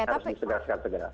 harus disegarkan segera